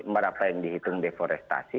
berapa yang dihitung deforestasi